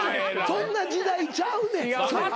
そんな時代ちゃうねん。